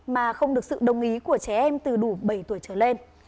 mà không được sự đồng ý của trẻ em từ đủ bảy tuổi trở lên